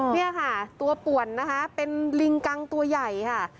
นี่ค่ะตัวป่วนนะคะเป็นลิงกังตัวใหญ่ค่ะ